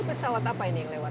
pesawat apa ini yang lewat